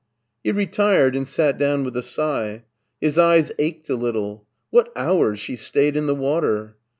He retired and sat down with a sigh. His eyes ached a little. What hours she stasred in the water!